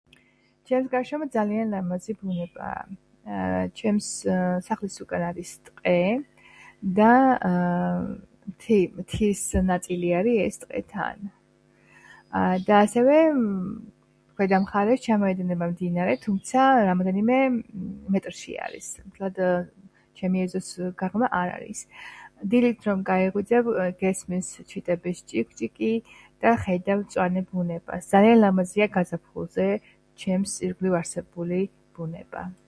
ჩემს გარშემო ძალიან ლამაზი ბუნებაა. ჩემს სახლის უკან არის ტყე და მთის ნაწილი არის ეს ტყე თან. და ასევე ქვედა მხარეს ჩამოედინება მდინარე, თუმცა რამოდენიმე მეტრში არის. მთლად ჩემი ეზოს გაღმა არ არის. დილით რომ გაიღვიძებ გესმის ჩიტების ჭიკჭიკი და ხედავ მწვანე ბუნებას. ძალიან ლამაზია გაზაფხულზე ცემს ირგვლივ არსებული ბუნება.